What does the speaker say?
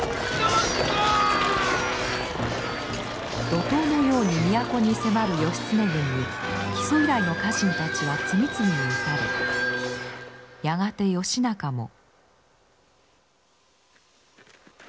怒濤のように都に迫る義経軍に木曽以来の家臣たちは次々に討たれやがて義仲も。